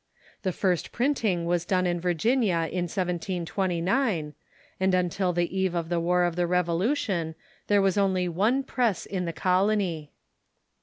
The first printing was done in Virginia in 1729, and until the eve of the war of the Revolution there was only one press in the colony.